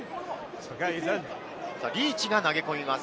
リーチが投げ込みます。